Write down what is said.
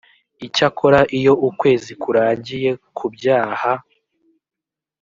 icyakora iyo ukwezi kurangiye ku byaha